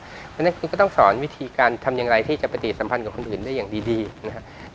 เพราะฉะนั้นคุณก็ต้องสอนวิธีการทำอย่างไรที่จะปฏิสัมพันธ์กับคนอื่นได้อย่างดีนะครับ